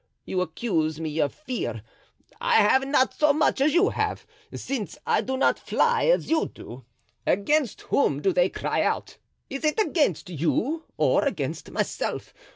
You accuse me of fear; I have not so much as you have, since I do not fly as you do. Against whom do they cry out? is it against you or against myself?